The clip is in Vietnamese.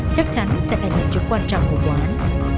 chắc chắn sẽ là những chức quan trọng của quán